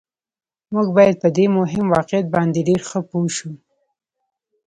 موږ باید په دې مهم واقعیت باندې ډېر ښه پوه شو